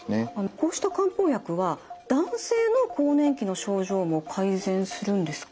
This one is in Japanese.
こうした漢方薬は男性の更年期の症状も改善するんですか？